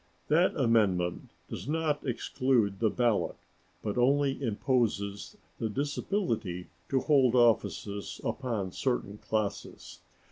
That amendment does not exclude the ballot, but only imposes the disability to hold offices upon certain classes.